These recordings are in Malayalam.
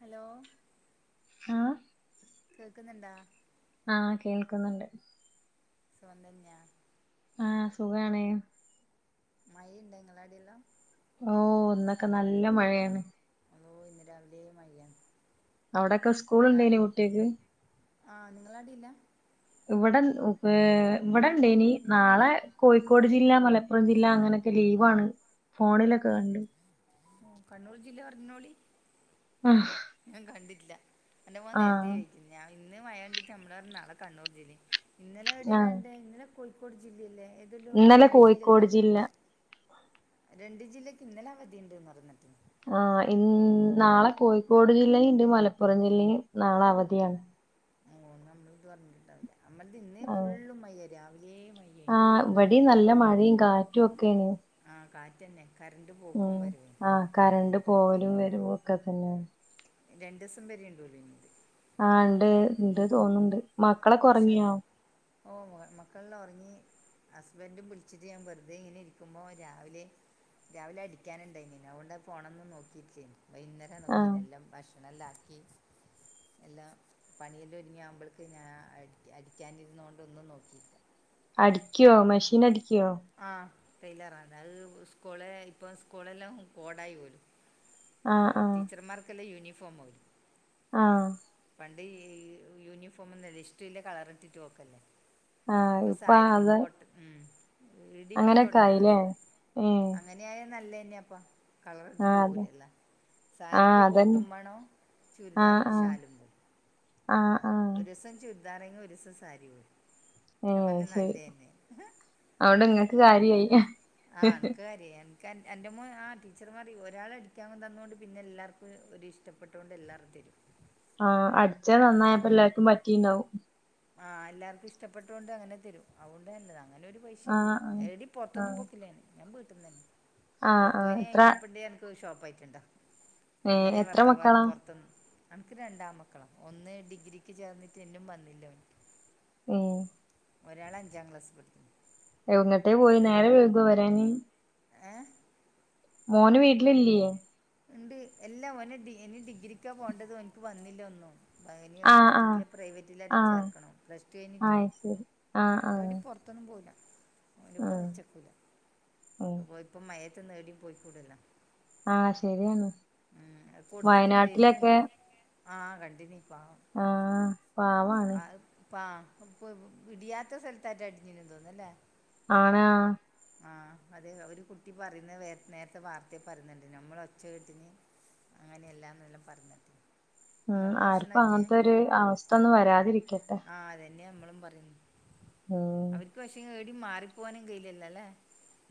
ഹലോ ആഹ് കേൾക്കുന്നുണ്ടാ ആഹ് കേൾക്കുന്നുണ്ട് സുഖം തന്നെയാ ആഹ് സുഖാണ് മഴയുണ്ടാ ഇങ്ങളവിടെയെല്ലാം ഓ ഇന്നോക്കെ നല്ല മഴ ആണ്. ഓ ഇന്ന് രാവിലേ മഴയാണ്. അവിടൊക്കെ സ്കൂൾ നാളെ ഇണ്ടേനോ കുട്ടിയോക്ക് ആ നിങ്ങളാടെയില്ല ഇവിട ഇവിടെണ്ടേനി നാളെ കോഴിക്കോട് ജില്ലാ മല പ്പുറം ജില്ല അങ്ങനെയൊക്കെ ലീവാണ് ഫോണിലൊക്കെ കണ്ട് ഉം കണ്ണൂർ ജില്ല അറിഞ്ഞോളി ആഹ് ഞാൻ കണ്ടിട്ടില്ല എന്റെ മോൻ നേരത്തെ ആഹ് പിന്നെ ഇന്ന് വയേണ്ടിട്ട് നമ്മളെ നാളെ കണ്ണൂർ ജില്ല ഇന്നലെ ആഹ് എവിടാണ്ട് ഇന്നലെ. കോഴിക്കോട് ജില്ലല്ലേ ഏതെലും ഇന്നലെ രണ്ട് ജില്ലക്ക് കോഴിക്കോട് അവ ജില്ല രണ്ട് ജില്ലക്ക് ഇന്നലെ അവധിണ്ട്ന്ന് പറഞ്ഞിട്ടിണ്ട്. ആഹ് ഇ നാളെ കോഴിക്കോട് ജില്ലയിണ്ട് മലപ്പുറം ജില്ലയും നാളെ അവധിയാണ്. ഓ നമ്മളത് പറഞ്ഞിട്ടുണ്ടാവില്ല നമ്മളത് ഇന്നേ ആഹ് ഫുള്ളും മയയാ രാവിലേ മയയാണ്. ഇവിടീം നല്ല മഴേം കാറ്റും ഒക്കെയാണ്. ആഹ് കാറ്റ് അന്നെ ഉം ആഹ് കറണ്ട് പോവലും വരുവോം ഒക്കെ തന്നെയാണ്. രണ്ടോസം വരേണ്ട് [unintelligible] ആഹ് ഉണ്ട് ഉണ്ട് തോന്നുന്നുണ്ട് മക്കളൊക്കെ ഭക്ഷ ഉറങ്ങിയോ? ഓ മക്കളെല്ലാം ഉറങ്ങി. ഹസ്ബൻഡും വിളിച്ചിട്ട് ഞാൻ വെറുതെ ഇങ്ങനെ ഇരിക്കുമ്പോ രാവിലെ രാവിലെ അടിക്കാനുണ്ടായിന അതുകൊണ്ട് ഫോണൊന്നും നോക്കിട്ടേല്ലയുന്നു വൈകുന്നേം ആഹ് നോക്കീനെ എല്ലാം ഭക്ഷ ല്ലാം ആക്കി എല്ലാം പണിയെല്ലാം ഒരുങ്ങിയ ആകുമ്പൾക്ക് ഞാൻ. അടി അടിക്കാനിരുന്നോണ്ട് ഒന്നും നോക്കി അടിക്കുവോ മെഷീൻ അടിക്കുവോ? ആഹ് തയിലറാന്ന് അത് സ്കൂള ഇപ്പ സ്കൂളെല്ലാം കോടായി പോലു. ആഹ് ആഹ് ടീച്ചർമാർക്കെല്ലാം യൂണിഫോം [unintelligible] ആഹ് പണ്ട് യൂണിഫോമൊന്നുല്ല ഇഷ്ടൊല്ല കളർ ഇട്ടിട്ട് [unintelligible] ആഹ് ഇപ്പൊ ഇപ്പ സാരിക്ക് അത് കോട്ട് ഉം ഈടിപ്പം അങ്ങനെയൊക്കെ തുടങ്ങിയതാ ആയില്ലേ ഏഹ് അങ്ങ അനായ നല്ലന്നെയ അപ്പ കളർ ഇട്ട് ആഹ് അതെ പോവുലല്ല. ആഹ് സാരിക്ക് അതന്നെ കോട്ടും വേണം ആഹ് ചുരിദാറിന് ആഹ് ശാലും വേ ആഹ് ആഹ് ഒരുസം ചുരിദാറങ്ങി ഒരുസം സാരി പോയി ഞാൻ പറഞ്ഞു നല്ലന്നെ. അഓണ്ട് ഇങ്ങക്ക് കാര്യായി. കര്യായി. ക എൻ്റെ മോ ആ ടീച്ചർമാർ ഒരാളടിക്കാൻ തന്നോണ്ട് പിന്നെ എല്ലാർക്കും ഒരുരിഷ്ട്ടപ്പെട്ടോണ്ട് എല്ലാറും തരും. ആ അടിച്ചാ നന്നായപ്പോ എല്ലാർക്കും പറ്റിണ്ടാവും. ആ എല്ലാർക്കും ഇഷ്ടപ്പെട്ടോണ്ട് അങ്ങനെ തരും അഓണ്ട് ന്നല്ലത അങ്ങനെ ഒരു. ആഹ് പൈഷെണ്ട് ആഹ് ഏടിം പൊറത്തൊന്നും ആഹ് പൊക്കില്ല ഞാൻ, ഞാൻ മ്പീട്ടിന്നനെ. ആഹ് പൊറത്ത് ആഹ് പോയി എത്ര [unintelligible] ഷോപ്പായിട്ടുണ്ടോ ഏഹ് അന്നേര എത്ര വർത്താവറഞ്ഞ് മക്കളാ പൊർതോന്നും അൻക്ക് രണ്ടാൺമക്കള ഒന്ന് ഡിഗ്രിക്ക് ചേർന്നിട്ട് ഇന്നും വന്നില്ല ഓന്. ഏ... ഒരാള് അഞ്ചാംക്ലാസ്പഠിക്കുന്നു. എങ്ങട്ടേ പോയെ നേരം വേഴ്കൊ വരാന്? ഏ. മോന് വീട്ടിലില്ലേ? ഇണ്ട് എല്ലാം ഓന്ന് ഡി ഇനി ഡിഗ്രിക്കാ പോണ്ടത് ഓൻക്ക് വന്നില്ല ഒന്നും. അയ്ന് ഏടിം ആഹ് ആഹ് കിട്ടിയിട്ടില്ല പ്രൈവറ്റി ലേറ്റെ ആഹ് ചേർക്കണം പ്ലസ് ടു കഴ്ഞ്ഞിട്ട് ആഹ് ശരി ആഹ് ആഹ് ഏടിം പൊ ർത്തൊന്നും പോവൂല്ല ആഹ് ഓന്റെപ്പോച്ചകുല. ഉം ഇപ്പൊ മയത്ത് ന്ന്ഏടിം പോയ് കൂടലോ. ആഹ ശെരിയാണ് അത് കൊടുത്തിട്ടുണ്ട് ഇനി വയനാട്ടിലൊക്കെ. ആ കണ്ടിന്ന് പാവം. ആഹ. ആ ഇപ്പ ഇപ്പം ഇടിയാത്ത സ്ഥലതെറ്റെ ഇടിഞ്ണ്‌ തോന്ന്ണല്ലേ. ആണ് ആ. ആ അതെ ഒരു കുട്ടി പറിയ്ന്നെ വെ നേരത്തെ വാർത്തെ പറിന്നണ്ടിലെ നഞമ്മൾ ഒച്ച കെട്ടിന്ന്. അങ്ങനെയല്ലാന്നെല്ലാ പറഞ്ഞെ. ഉം ആർക്കും അങ്ങൻത്തൊരു അവസ്ഥ ഒന്നും വരാതിരിക്കട്ടെ. ആ അതന്നെമ്മളും പറയുന്നെ ഉം അവർക്ക് പക്ഷേ ഏടീം മാറിപ്പോകാനും കയ്യിയിലല്ലോ ല്ലേ?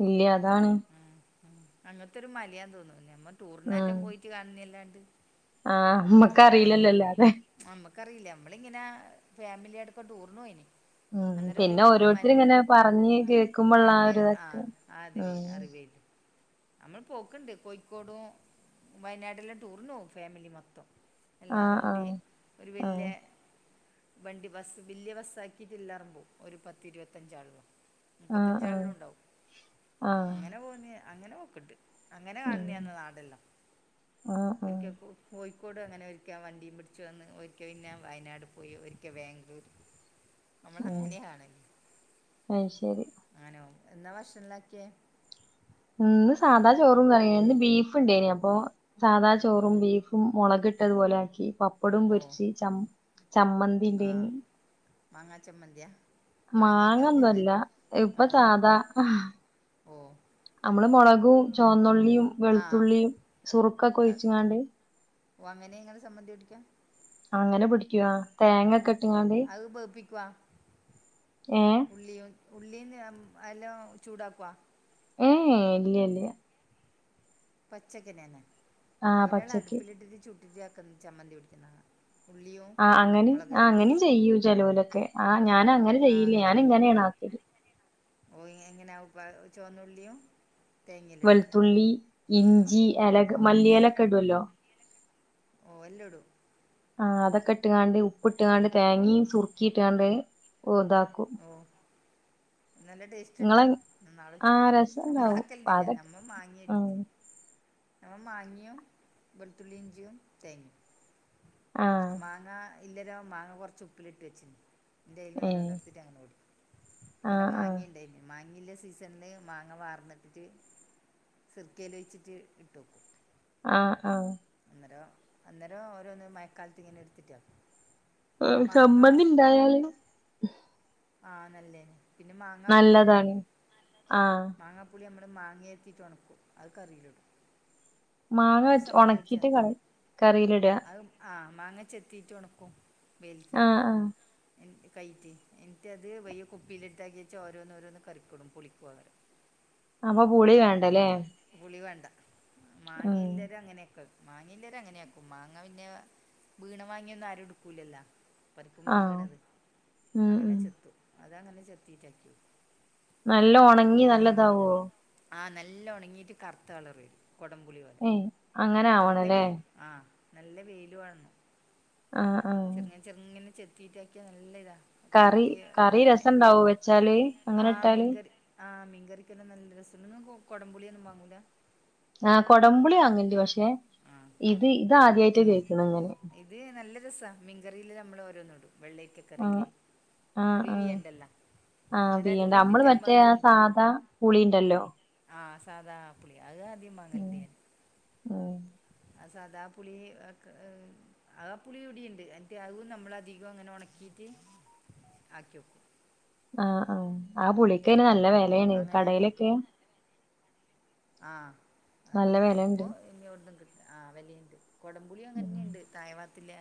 ഇല്ല്യ അതാണ്. ഉം ഉം അങ്ങത്തൊരു മലയാന്ന് തോന്നുന്നു ഞമ്മ ടൂറിനാറ്റം പോയിട്ട് കാണുന്നല്ലാണ്ട്. ആഹ അമ്മക്കറീല്ലല്ലോ അല്ലാതെ. ആ അമ്മക്കറിയില്ല നമ്മളിങ്ങനെ ഫാമിലി ആയിട്ടൊക്കെ ടൂറിന് പോയിനി. ഉം അന്നേരം ഒരു പിന്നെ മ ഓരോരുത്തര് മരം ഇങ്ങനെ പറഞ്ഞ് കേക്കുമ്പോള്ള ആ പറഞ്ഞ് ആഹ ഒരിതൊക്കെ ആദ്യേ ഉം അറിവേന്. അമ്മള് പോക്ക്ണ്ട് കോയിക്കോടും വയനാടെല്ലാം ടൂറിന് പോവും ഫാമിലി മൊത്തം. എല്ലാറും ആഹ് കൂടി ആഹ് ഒരു ആഹ് വല്ല്യേ. വണ്ടി ബസ്സ് വല്ല്യ ബസ്സാക്കിയിട്ടില്ലാറുംബോവും ഒരു പത്തി ഇരുപത്തഞ്ചാള്‌പോവും. ആഹ് ആഹ് മുപ്പത്തഞ്ചാളെല്ലും ഉണ്ടാവും ആഹ് അങ്ങനെ പോവുന്നെയാ അങ്ങനെ പോക്ക്ണ്ട്. അങ്ങനെ ഉം കാണുന്നേയാന്ന് നാടെല്ലാ ആഹ് ആഹ് ഒരിക്കെകൂ. കോയ്ക്കോടും അങ്ങനെ ഒരിക്കെ വണ്ടിയും പിടിച്ച് വന്ന് ഒരിക്കൽ പിന്നെ വയനാടും പോയി ഒരിക്കേ വാംഗ്ലൂരും നമ്മള് ഉം അങ്ങനെയാക്കാണല്. അയ്ശരി ആണോ എന്നാ വക്ഷണം ണ്ടാക്ക്യേ? ഇന്ന് സാധാ ചോറും കറിയാ ഇന്ന് ബീഫ് ഇണ്ടേനി അപ്പൊ. സാദാ ചോറും ബീഫും മൊളക് ഇട്ടതുപോലെ ആക്കി പപ്പ പ്പടും ഓ പൊരിച്ച് ചമ്മ് ആ ചമ്മന്തിണ്ടേനി. മാങ്ങാ ചമ്മന്തിയാ മാങ്ങയുണ്ടാവില്ലല്ലേ മാങ്ങന്നുംല്ല ഓ ഇപ്പൊ സാദാ ഓ. അമ്മള് മൊളകുംചോന്നുള്ളിം ആ വെളുത്തുള്ളിം സുറുക്കൊക്കെ ഒഴിച്ചിങ്ങാണ്ട്. ഓ അങ്ങനെ ഇങ്ങനെ സംബന്ധി പൊടിക്കാ? ആ അങ്ങനെ പിടിക്കുവാ തേങ്ങ ഒക്കെ ഇട്ട്ങ്ങാണ്ട്. അഅ് ബഅ്പ്പിക്കുവാ. ഏഹ്? ഉള്ളിയോ ഉള്ളിംതേ അതെല്ലാം ചൂടാക്കോ? ഏഹേ ഇല്ല്യ ല്ല്യ പച്ചക്കനന്നെ ആ ഒരാൾ പച്ചക്ക് അടുപ്പിലിട്ടിട്ട് ചുട്ടിട്ട് ആക്കുന്ന ചമ്മന്തി പിടിക്കിന്നെ കാണാ. ആഹ് അങ്ങനിം ആഹ് അങ്ങനിം ചെയ്യു ചെലോലൊക്കെ ആഹ് ആ ഞാൻ അങ്ങനെ ചെയ്യില്ല ഞാൻ ഇങ്ങനേണ് ആക്കല്. ഓഹ് എങ്ങനാവും പ ചോന്നുള്ളിയും. വെളുത്തുള്ളി ഇഞ്ചി എലക് ഓ മല്ലി യെലൊക്കെ ഇടുവല്ലോ? ഓഹ് എല്ലടും. ആഹ് അതൊക്കെ ഇട്ട്ങ്ങാണ്ട് ഉപ്പ് ഇട്ട് ങ്ങാണ്ട് തേങ്ങിം സുർക്കിം ഇട്ട്ങ്ങാണ്ട് ഇതാക്കും. ആഹ്. നല്ല ടേസ് ച്ച്ന്താ ഇങ്ങളെ നാളെ ഉച്ചക്ക് ആഹ് നമ്മള രസണ്ടാവും ആക്കലന്നില്ല അതൊക്കെ നമ്മൾ മാങ്ങി ആഹ് നമ്മൾ മാങ്ങ്യും വെളുത്തുള്ളി ഇഞ്ച്യും തേങ്ങിം. ആഹ് മാങ്ങാ ഇല്ലരോ മാങ്ങ കുറച്ച് ഉപ്പിലിട്ട് വച്ചിണ്. ൻ്റെയിൽ നിന്ന് ഓരോന്ന് ഏഹ് ഇട്ത്തിട്ട് അങ്ങന [unintelligible] ഇന്നരം ആഹ് ആഹ് മാങ്ങീണ്ടായിനി. മാങ്ങീല്ല സീസൺല് മാങ്ങ വാർന്നിട്ടിട്ട്. സുറക്കയിൽ ഒഴിച്ചിട്ട് ഇട്ട് വെക്കും. ആഹ് ആഹ് അന്നരം അന്നരം ഓരോന്ന് മയക്കാലത്ത് ങ്ങനെ ഇട്ത്തിട്ട് ആക്കും പിന്നെ ഏഹ് മാങ്ങ ചമ്മന്തി ഇണ്ടായാല് ആഹ് നല്ലതന്നെ നല്ലതാണ് ആഹ് മാങ്ങാപ്പുളി നമ്മൾ മാങ്ങ ചെത്തീട്ട് ഒണക്കും അത് കറീലിടും. മാങ്ങ ഒണക്കിട്ട് കറി കറിയിലിടാ? അത് ആഹ് മാങ്ങ ചെത്തീട്ട് ഒണക്കും വെയിൽത്ത്ന്. ആഹ് ആഹ് എന്ന് കൈറ്റി എന്നിട്ടത് വയിയെ കുപ്പി ല് ഇട്ടാക്കി വച്ച് ഓരോന്ന് ഓരോന്ന് കറിക്കിടും പുളിക്കു പകരം. അപ്പം പുളി വേണ്ട ലേ? പുളി വേണ്ട. മാങ്ങയില്ലെരാ അങ്ങനെക്കക്കും മാങ്ങയില്ലേരും അങ്ങനാക്കും. മാങ്ങ പിന്നെ വീണ മാങ്ങ്യൊന്നും ആരും ഇട്ക്കൂലല്ലോ പറിക്കുമ്പം ആഹ് വീണത് ഉം അങ്ങനെ ഉം ചെത്തും. അതങ്ങനെ ചെത്തിറ്റാക്കി വെക്കും നല്ല ഒണങ്ങി ആഹ് നല്ലതാവോ ആഹ് നല്ലൊണങ്ങീട്ട് കറുത്ത കളർ വരും കൊടംപുളി പോലെ ഏഹ് അങ്ങനെ നല്ല ആവണല്ലേ പേന് ആഹ് നല്ല വെയില് വേൺണം ആഹ് ആഹ് ചെർങ്ങനെ ചെർങ്ങനെ ചെത്തീറ്റാക്കിയാ നല്ല ഇതാ കറി കൈറ്റ് കറി ഇടുന്നല്ലേ രസണ്ടാവോ വെച്ചാല് അങ്ങനെ ആഹ് ഇട്ടാല് മീൻകറി ആഹ് മീൻകറിക്കെല്ലാം നല്ല രസണ്ട്. നിങ്ങൾ കൊടംപുളിഒന്നും വാങ്ങൂല ആഹ കൊടമ്പുളി വാങ്ങൽണ്ട്. പഷെ ആ ഇത് ഇതാദ്യയിട്ടാ കേക്ക്ണത് ഇങ്ങനെ ഇത് നല്ല രസാ. മീൻകറീല് നമ്മള് ഓരോന്ന്ടും ആഹ് വെള്ളരിക്കക്കറിയില് ആഹ് പുളി ആഹ് പീയണ്ടല്ല ആഹ് പീയ്യണ്ട. നമ്മള് മറ്റേ സാധാ പുളിണ്ടല്ലോ ആഹ് സാദാ പുളി. അത് ആദ്യം ഉം വാങ്ങല്ണ്ട് ഞാൻ ഉം അത് സാധാപുളീ അ ക്കത് ആ ആ പുളി ഇവ്ടീണ്ട്. എന്ന്ട്ട അതും നമ്മളധികം ങ്ങനെ ഒണക്കീട്ട് ആക്കിയേക്കും ആഹ് ആഹ്. ആ പുളിക്കയ്ന് നല്ല വെലേണ് അങ്ങനെ ആക്കി വെക്കും കടേലൊക്കെ ആഹ്. അത് വെലണ്ട് അയ്പ്പോ ഇനി ഒവിട്ന്നും കി ആഹ് വെലിണ്ട്. കൊടംപുളി ഉം അങ്ങനെന്നിണ്ട് തായവാത്തില്ല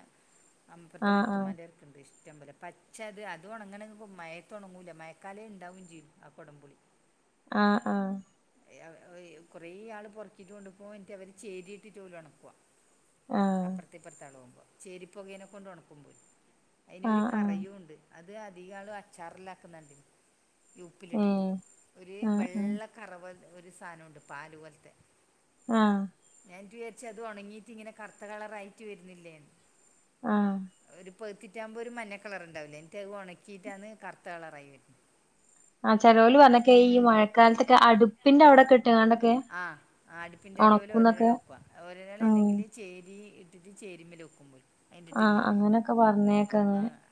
അമ്പ ർത്തെ ആഹ് ആഹ് മൂത്തുമ്മാന്റെ ക്കെണ്ട്. ഇഷ്ടം പോലെ. പച്ച അത് അതൊണങ്ങ്ണ് ഇപ്പം മയത്തൊണങ്ങൂല്ല. മയക്കാലേ ഉണ്ടാവും ചെയ്യും ആ കൊടംപുളി. ആഹ് ആഹ് എയ് അവേ കുറേ ആള് പൊറക്കീട്ട് കൊണ്ട്പോവും. എന്ന്ട്ടവര് ചേയ്രിയിട്ട് ഓലു ഒണക്കുവാ. ആഹ് അപ്പെർത്തിപ്പൊർത്ത് ആള് പോകുമ്പം. ചെയ്രിപ്പുകയേനെ കൊണ്ട് ഒണക്കുമ്പോലും ആഹ് അയ്നൊരു ആഹ് ആഹ് കറയൂണ്ട് അത് അധിക ആളും അച്ചാറെല്ലാ ആക്കുന്നണ്ടീനി. യി ഉപ്പിലിട്ടിട്ട് ഏഹ് ഒരു ആഹ് ആഹ് ബെള്ള കറവ ഒരു സാനുണ്ട് പാല് പോൽത്തെ ആഹ് ഞാറ്റു വിചാരിച്ചു അതൊണങ്ങീറ്റ്ങ്ങനെ കറ്ത്ത കളറായിട്ട് വരുന്നില്ലേന്ന് ആഹ് ഒരു പഴ്ത്തിറ്റാകുമ്പോ ഒരു മഞ്ഞ കളറ്ണ്ടാവില്ലേ എന്നിട്ടതൊണക്കീട്ടാണ് കറ്ത്ത കളറായി വര ആ ചെലോല പറഞ്ഞേക്ക ഈ മഴക്കാലത്തൊക്കെ അടുപ്പിന്റെ അവിടെക്കെ ആഹ് ആ അടുപ്പിന്റെ അടിയോലെ ഒണക്കുന്നൊക്കെ ഒരോളാ വെക്ക ഉം ഒരോളെല്ലെങ്കില് ചേരീ ചേരുമ്മെലോക്കുമ്പോയ് ആഹ് ആ അങ്ങനെക്കെ പറഞ്ഞേക്ക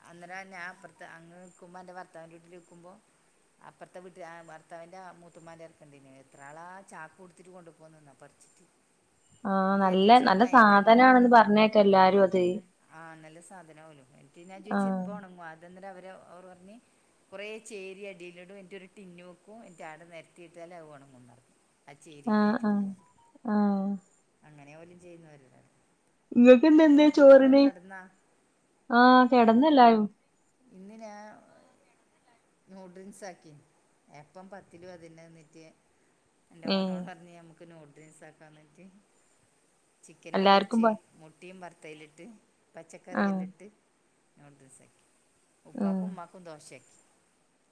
അന്നേരം ഞാപ്പറത്ത് അങ്ങ് നിക്കുമ്പോ അൻ്റെ ഭർത്താവിന്റെ വീട്ടില്ക്കുമ്പോ അപ്പറത്തെ വീട്ടിലെ ഭർത്താവിൻ്റെ മൂത്തമാൻ്റേ ക്ക്ണ്ടേനി എത്രാളാ ചാക്ക് കൊടുത്തിട്ട് കൊണ്ടു പോകന്നാ പറിച്ചിട്ട് ആഹ് എന്നിട്ട് ഞാൻ നല്ല ചോദിച്ചു ഈ നല്ല മയത്ത് എങ്ങനെ സാധനാണെന്ന് പറഞ്ഞേക്കെല്ലാരും അത് ആഹ് നല്ല സാധനംലു ന്ന്ട്ട് ഞാൻ ജ്ജ്ജ് ആഹ് എപ്പ ഒണങ്ങും അതെന്തിനാ അവര് ഓർ പറഞ്ഞ് കൊറേ ചേരി അടിയിലിടും എന്നിട്ടൊരു ടിന്നുവക്കും എൻട്ട് അണ്ട് നിരത്തിട്ടാല് അതൊണങ്ങുന്നറിം. ആ ചേരിൻ്റെ ആഹ് ആഹ് ചൂടോണ്ട് ആഹ് അങ്ങനെ അവര് ചെയ്യുന്നതല്ലേ ങ്ങക്ക്ന്നെന്തേ ചോറിന് ആഹ് കെടന്നെല്ലാരും ഇന്ന് ഞാ നൂഡിൽസാക്കി എപ്പം പത്തിലും അതിനെ ന്നിട്ട് ഞാ ഏഹ് നോനോടറഞ്ഞാ ഞമുക്ക് നൂഡിൻസാക്കാ ന്നട്ട് ചിക്കനും എല്ലാർക്കും പൊരിച്ച് പ മുട്ടിം ഭറുത്തേലിട്ട് ആഹ് പച്ചക്കറിയെല്ലട്ട് നൂഡിൽസാക്കി ഉം ഉപ്പാക്കും ഉമ്മാക്കും ദോശാക്കി.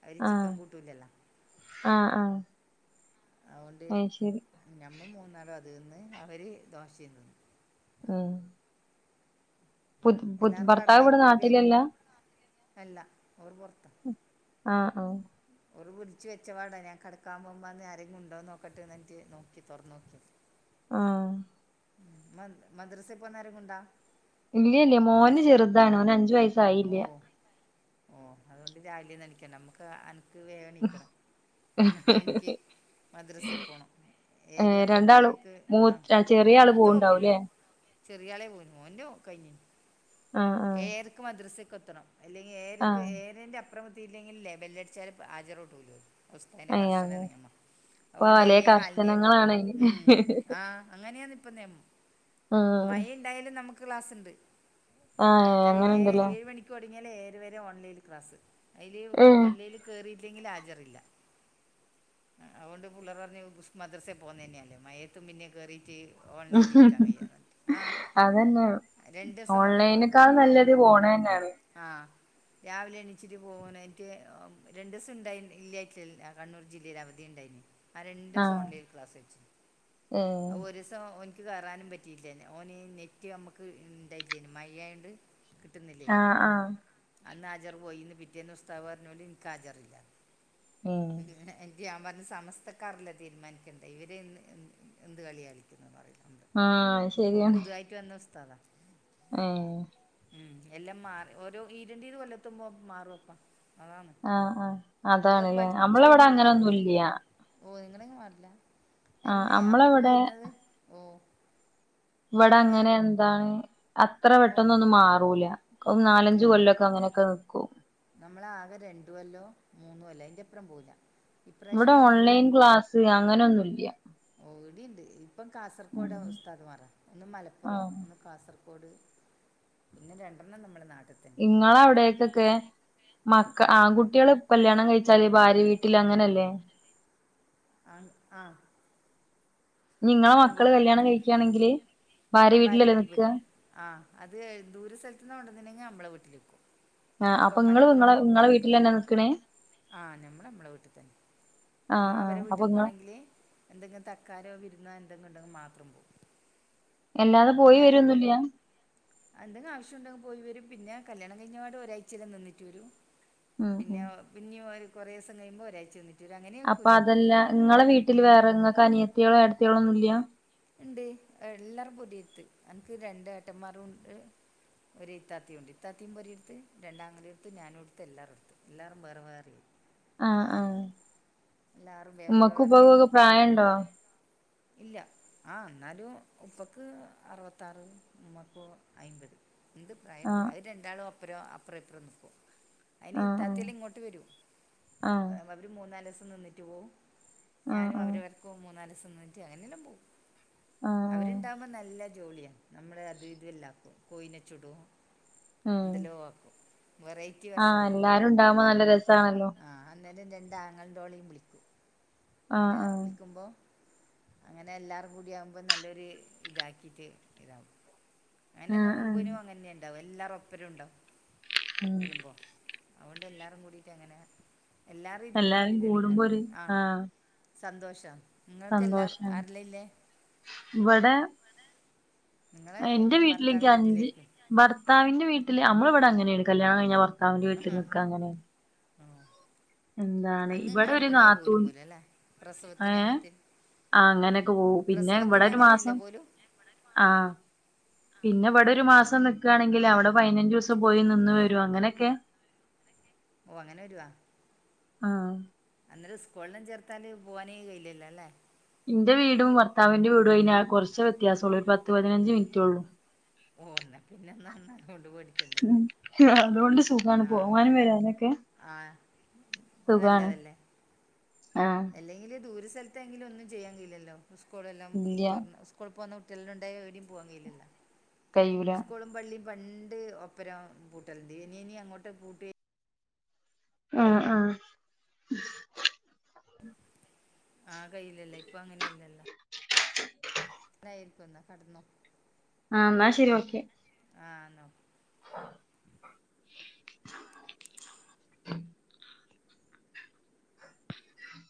അവര് ചിക്കൻ ആഹ് കൂട്ടൂലല്ലോ. ആഹ് ആഹ് അതോണ്ട് അയ്ശരി ഞമ്മ മൂന്നാലും അത് ന്ന് അവര് ദോഷിം തിന്നു. ആങ്ങ് പുത് എല്ലാരും ഭർത്താവ് ഇവിടെ കടന്നേര്ക്കുലിബിയെ നാട്ടിലല്ല അല്ല അവര് പൊറത്ത ആഹ്ആഹ് ഒര് പുടിച്ച് വെച്ച പാടെ ഞാൻ കെടക്കാൻ പോവുമ്പ ഞ്ഞ് ആരെങ്കിലും ണ്ടോ നോക്കട്ടെ എന്നിട്ട് നോക്കി തുറന്ന് നോക്കി [inaudible] ആഹ് മദ് മദ്രസ പോന്നരങ്ങും ണ്ടാ ഇല്ല്യ ല്ല്യ മോന് ചെറുതാണ് ഓൻ അഞ്ചു വയസ് ഓഹ് ഓ അതുകൊണ്ട് രാവിലേം നിനക്കണ്ട നമ്മക്ക് അനക്ക് വേഗം നീക്കണം ൻ്റെമോൻക്ക് മദ്രസേ പോണം ഏഹ് രണ്ടാളും ഏരിയാ്പത്തേക്ക് ആഹ മൂത്ത ഇല്ല ചെറിയ ആള് മൂത്ത പോക്കില്ല പോവ്ണ്ടാവുംല്ലേ ചെറിയാളെ പോന്നു ഓന്റ കയ്ഞ്ഞു ആഹ് ആഹ് ഏയരക്ക് മദ്രസക്ക് എത്തണം അല്ലെങ്കി ഏരക്ക് ആഹ് ഏയരെന്റെ ആപ്പ് അപ്പ്രമത്തില്ലെങ്കില്ലേ ബെല്ലടിച്ചാല് ആജറൂടുല ഉസ്താദിന്റെ ഏഹ് കർശന അങ്ങനെ നിയമ ഇപ്പൊ അഓണ്ട് പലേ ഏഴെ കാലിനെ പോവും കർശനങ്ങളാണ് ഉം അയ്ന് ആഹ് അങ്ങനെയാണ് ഇപ്പൊ നെയമം ആഹ് മഴ ഇണ്ടായാലും നമുക്ക് ക്ലാസ്ണ്ട് ആഹ് എട്ട് ഏ അങ്ങനെണ്ടല്ലേ ഏഴ് മണിക്ക് തുടങ്ങിയലെ ഏഴ്ര വെരെ ഓൺലൈനിൽ ക്ലാസ്സ് അയിലെ ഓൺലൈല് കേറിയിട്ട്ല്ലെങ്കിൽ ഹാജറില്ല. ആഹ് അവോണ്ട് പുള്ളേര് പറഞ്ഞ്. മദ്രസേ പോകുന്നില്ലേല്ലോ മയത്തും പിന്നേ കെറിയിട്ട് മ്മ്ഹ്ഹ് അതന്നെ രണ്ട് ദിവസം അങ്ങനെ ഓൺലൈന്ക അത് ആ നല്ലത് പോണെന്നാണ്. ആഹ് രാവിലെ എണിച്ചിട്ട് പോക്നേൽക്ക് ഒഹ് രണ്ടുവസംണ്ടായി ഇല്ലായിട്ടില്ല. കണ്ണൂർ ജില്ലയിൽ അവധിയ ഉണ്ടായിന്. ആഹ് രണ്ട്സം ആഹ് ഓൺലൈൻ ക്ലാസ് വെച്ചൂ അ ഒര്സ് തോ എന്ന് ഒന്ക്ക് കെറാനും പറ്റിയില്ലെ ഓന് നെറ്റ് നമക്ക് ഇണ്ടായില്ലേന് മയ്യയോണ്ട് കിട്ട്ന്ന്ല്ലേനു ആഹ് ആഹ് അന്ന് ഹാജർ പോയിന്ന് പിറ്റേന്ന് ഉസ്താദ്‌ പറഞൊണ്ട് ഇൻക്ക് ഹാജാറില്ല. [unintelligible] ഞാ പറഞ്ഞു സമതക്കാാർല്ലേ തീരുമാനിക്കെണ്ടേ ഇവരെന്ന് എന് എന്ത് കളിയാ കളിക്കുന്ന്ന്നറിയുല ആഹ് ശെരിയാണ്. കിന്ന ഉസ്താദാ എഹേ ഉം എല്ലാം മാറി ഒരോ ഇരുണ്ടീത് കൊല്ലത്തുമ്പോ മാറും പ്പാ അതാണ്. ആഹ് ആഹ് പുള്ളേറ് അതാണ്ല്ലേ പഠിച്ച് നമ്മളവിടെ ഒന്ന് വരുമ്പോഴത്തേക് അങ്ങനൊന്നുല്ല്യ ഓ നിങ്ങങ്ങെ മാറില്ല ആഹ് എന്നെ അമ്മക്ക് നമ്മളവിടെ വരുന്നത് ഓ ഇവിടെ നിങ്ങളെങ്ങനെയാ അങ്ങനെ എന്താണ് അത്ര ഓ പെട്ടന്നോന്നും മാറൂല ഓം നാലഞ്ച് കൊല്ലൊക്കെ അങ്ങനെക്കെ നിക്കും. നമ്മള് ആകെ രണ്ടുകൊല്ലോ, മൂന്നുകൊല്ലോ, അയിന്റെപ്പറം പോവുല്ല. ഇവടെ ഓൺലൈൻ ക്ലാസ് അങ്ങനൊന്നുംല്ല്യ. ഓവ്ടിണ്ട് ഇപ്പം കാസർഗോഡ് ഉസ്താദ്മാർ ഒന്ന് ആഹ് മലപ്പുറം കാസർഗോഡ് പിന്നെ രണ്ടെണ്ണം നമ്മളെ നാട്ടിത്തെന്നേ. ഇങ്ങളവിടേക്കൊക്കെ മക്ക ആ ആൺകുട്ടികള് കല്യാണം കഴിച്ചാല് ഭാര്യ വീട്ടില് അങ്ങനെല്ലേ? [unintelligible] ഞി ഇങ്ങളെ മക്കള് കല്യാണം കഴിക്കാണെങ്കില് അഭാര്യ വീട്ടിൽ പോയ് ആ അത് ദൂര സ്ഥലത് ന്ന കൊണ്ടന്നണ്ടെങ്കിൽ നമ്മളെ വീട്ടിൽ നിക്കും. ആ ഇപ്പൊ അപ്പൊ നിങ്ങള് നിങ്ങളെ മലപ്പുറം നിങ്ങളെ വീട്ടിൽ തന്നെ നിക്കണേ ആ നമ്മള് നമ്മള വീട്ടിൽ തന്നെ. ആ നമ്മ ആ അവരെ അപ്പൊ വീട്ടിൽ നിങ്ങ പോണെങ്കില് എന്തെങ്കി തക്കാരോ വിരുന്നോ എന്തെങ്കിണ്ടെങ്കി മാത്രം പോകും. എല്ലാതെ പോയി വരോന്നുല്ല്യ? എന്തെങ്കും ആവശ്യംണ്ടെങ്കിൽ പോയി വരും പിന്നെ കല്യാണം കഴിഞ്ഞപാട് ഒരാഴ്ചക്കെ നിന്നിട്ട് വരും. ഉം പിന്നെ ഉം പിന്നെ ഒരു കുറേ ദിവസം കഴിയുമ്പോ ഒരാഴ്ച്ച നി അപ്പൊ അതെല്ല നിങ്ങളെ വീട്ടിൽ ഉം വേറെ നിങ്ങക്ക് അനിയത്തിളോ എടത്തിളോ ഒന്നുല്ല ഉണ്ട് എല്ലാരും പൊതിയത്ത് എനിക്ക് രണ്ട് ഏട്ടന്മാരും ഉണ്ട്. ഒരു ഇത്താത്തിം ഉണ്ട് ഇത്തത്തിയും പെരടുത്ത് രണ്ടാങ്കങ്ങലെടുത്ത് ഞാനും എടുത്ത് എല്ലാരടുത്ത് എല്ലാരും വേറെ വേറെ ആ ആ ആരുല്ല എല്ലാരും വേറെ ഉമ്മക്കും ഉപ്പക്കും വേറണ്ട് ഒക്കെ പ്രായമുണ്ടോ ഇല്ല ആഹ് എന്നാലും ഉപ്പക്ക് അറുപത്താറ് മ്മക്ക് അയ്മ്പത്. ഉണ്ട് പ്രായ ആ ണ്ട് അത് രണ്ടാളും അപ്പറോ അപ്പറം ഇപ്പറോം നിക്കും. അയിന് ആ ഇത്താത്തല്ലാം ആ ഇങ്ങോട്ട് വരും ആ അവര് മൂന്നാല് ദിവസം നിന്നിട്ട് പോവും. ആ ഞാനും ആ അവരവർക്കും മൂന്നാല്സം ന്നിട്ട് അങ്ങനെല്ലാം പോവും ആഹ് അവര്ണ്ടാഉമ്പ നല്ല ജോളിയാ നമ്മള് അത് ഇതെല്ലാക്കും കോയിനെ ചുടും ഉം എന്തല്ലേ ആക്കും വെറൈറ്റി ആ ഭക്ഷണ ക്കയ്യാ എല്ലാരും ഉണ്ടാവുമ്പോ ആഹ് നല്ല രസാണല്ലോ ആഹ് അന്നേര രണ്ടാങ്ങൾന്റോളിം വിളിക്കും ആ അങ്ങനെ ആ വിളിക്ക്മ്പോ അങ്ങനെ എല്ലാറും കൂടിയാമ്പോ നല്ലൊരു ഇതാക്കീറ്റ് ഇതാവും എന്നെ ആഹ് നോമ്പ്നും ആഹ് അങ്ങൻന്നെണ്ടാവ എല്ലാറു ഒപ്പരുണ്ടാവും വര്മ്പോ അഒണ്ട് എല്ലാരും കൂടീറ്റങ്ങനെ എല്ലാരി എല്ലാരും ര്ക്ക്മ്പോരിതല്ലേ എല്ലങ്കെ കൂടുമ്പോ ഒരു ആഹ് സന്തോഷം സന്തോഷാണ് വ്വടെ ഇങ്ങളെയ് വീട്ടിലേക്ക് ഭർത്താവിന്റെ വീട്ട്ലേ അഞ്ച് ര്ക്കും ഭർത്താവിന്റെ വീട്ടില് അമ്മള്വ്ടെ അങ്ങനെണ് കല്യാണംകയ്ഞ്ഞാ ഭർത്താവ്ന്റെ വീട്ടിൽ നിക്കാ അങ്ങനെ ആഹ് എന്താണ് ഇവടര് നാത്തൂൻ പോലും അല്ലേ ഏ പ്രസവത്തിന് അങ്ങനത്തെ ആഹ് അങ്ങനെക്കെ പോവും പിന്നെ പ്രസവത്തിന് ഇവടൊര് അങ്ങനെയല്ലേ മാസം പോലും ആഹ് പിന്നെ വടൊര് അതെ മാസം നിക്കാണെങ്കിൽ അവടെ പൈനഞ്ചുസം പോയി നിന്ന് വരും അങ്ങനൊക്കെ ഓ അങ്ങനെ വരുവാ ആഹ് അന്നേരസ്കൂൾളും ചേർത്താല് പോവാനേ കഴിയില്ലല്ലോ ല്ലേ ഇന്റെ വീടും വർത്താവിന്റെ വീടൊയ്ന് കൊർച്ച വ്യത്യാസൊള്ളൂ ഒര്പത്ത് പതിനഞ്ച് മിൻറ്റൊള്ളൂ ഓന്ന പിന്നെന്നന്ന കൊണ്ടുപോടിക്കണ്ടല്ലോ ഉം അതുകൊണ്ട് സുഖാണ് ആഹ് പോവാനും വരാനൊക്കെ ആഹ് സുഖാണ് പ്പനല്ലതല്ലേ ആഹ് എല്ലെങ്കിലേ ദൂരസൽത്തേങ്കിലൊന്നും ചെയ്യാൻ കയ്‌ലല്ലോ സ്കൂളെല്ലാം ഇല്ല്യ തൊർന്ന സ്കൂൾ പോന്ന കുട്ട്യേൾന്നെ ണ്ടായ ഏടിം പ്യുആൻ കയ്ലല്ല കയ്യൂല സ്ക്കൂളും വള്ളി പണ്ട് ഒപ്പരാം പൂട്ടല്ണ്ട് എനി എനി അങ്ങോട്ട് പൂട്ടി ആഹ് ആഹ് ആഹ് കയ്ലല്ലേ ഇപ്പ അങ്ങനെല്ലല്ലാ ന്തായിരിക്കുന്ന കടന്നോ ആഹ് ന്നാശരി ഓക്കെ ആഹ് ന്നോ